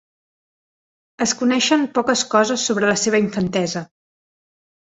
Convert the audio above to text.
Es coneixen poques coses sobre la seva infantesa.